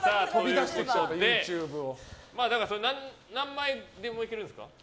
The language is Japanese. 何枚でもいけるんですか。